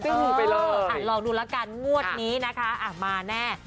อ่าลองดูละกันงวดนี้นะคะมาแน่